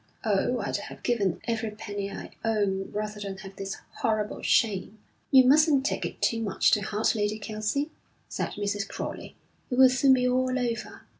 Oh, I'd have given every penny I own rather than have this horrible shame.' 'You mustn't take it too much to heart, Lady Kelsey,' said Mrs. Crowley. 'It will soon be all over.'